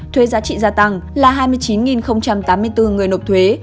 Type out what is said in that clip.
thuế giá trị gia tăng là hai mươi chín tám mươi bốn người nộp thuế